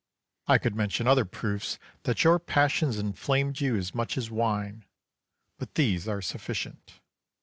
I could mention other proofs that your passions inflamed you as much as wine, but these are sufficient.